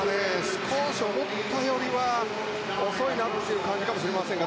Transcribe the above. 少し思ったよりは遅いなという感じかもしれませんが。